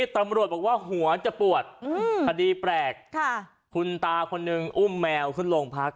ตำรวจบอกว่าหัวจะปวดคดีแปลกคุณตาคนนึงอุ้มแมวขึ้นโรงพัก